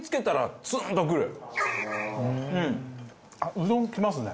うどんきますね。